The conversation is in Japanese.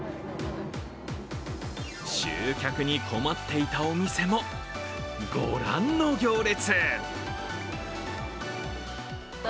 集客に困っていたお店も、ご覧の行列。